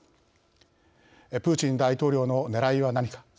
プーチン大統領のねらいは何か。